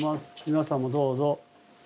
皆さんもどうぞ。